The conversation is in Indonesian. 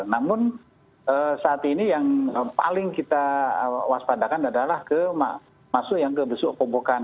namun saat ini yang paling kita waspadakan adalah masuk yang ke besuk kobokan